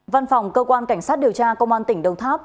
văn phòng cơ quan cảnh sát điều tra công an tỉnh đồng tháp